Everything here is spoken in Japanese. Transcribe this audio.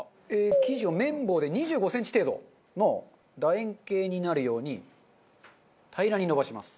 生地を麺棒で２５センチ程度の楕円形になるように平らに延ばします。